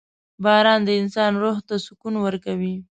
• باران د انسان روح ته سکون ورکوي.